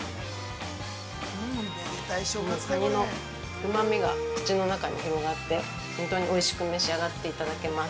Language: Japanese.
もうカニのうまみが口の中に広がって、本当においしく召し上がっていただけます。